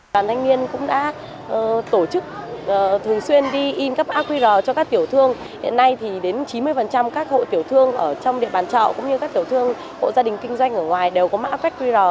đoàn thanh niên cũng đã tổ chức thường xuyên đi in các qr cho các tiểu thương hiện nay thì đến chín mươi các hội tiểu thương ở trong địa bàn trọ cũng như các tiểu thương hội gia đình kinh doanh ở ngoài đều có mã qr